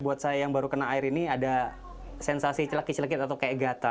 buat saya yang baru kena air ini ada sensasi celakit celakit atau kayak gatal